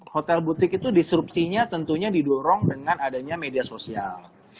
hotel butik itu disrupsinya tentunya didorong dengan adanya media sosial